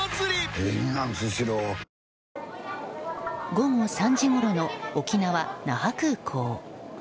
午後３時ごろの沖縄・那覇空港。